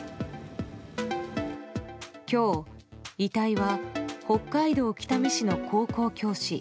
今日、遺体は北海道北見市の高校教師